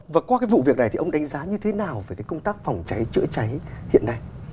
và qua cái vụ việc này thì ông đánh giá như thế nào về cái công tác phòng cháy chữa cháy hiện nay